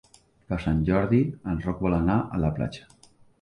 Per Sant Jordi en Roc vol anar a la platja.